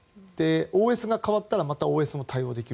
ＯＳが変わったらまたＯＳも対応できる。